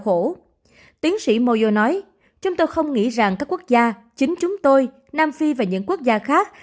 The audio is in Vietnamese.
ông moyo đã nói rằng các quốc gia chính chúng tôi nam phi và những quốc gia khác